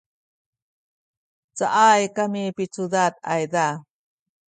cayay kami picudad ayza